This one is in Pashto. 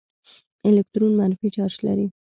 الکترون منفي چارج لري.